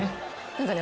何かね